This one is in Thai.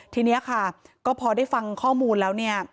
ทีนี้ค่ะก็พอได้ฟังข้อมูลแล้วเนี่ย